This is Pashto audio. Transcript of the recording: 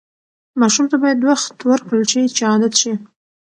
ماشوم ته باید وخت ورکړل شي چې عادت شي.